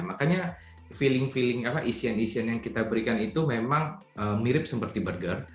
makanya feeling feeling apa isian isian yang kita berikan itu memang mirip seperti burger